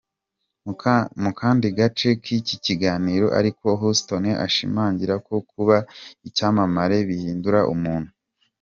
Mu kandi gace k’iki kiganiro ariko, Houston ashimangira ko “kuba icyamamare bihindura umuntu”.